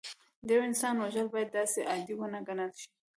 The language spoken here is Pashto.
د یو انسان وژل باید داسې عادي ونه ګڼل شي